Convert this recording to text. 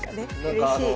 うれしい。